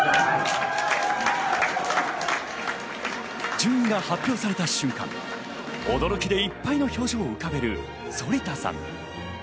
順位が発表された瞬間、驚きでいっぱいの表情を浮かべる反田さん。